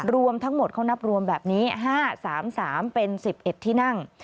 รวมทั้งหมดเขานับรวมแบบนี้๕๓๓เป็น๑๑ที่นั่ง